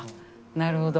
なるほど。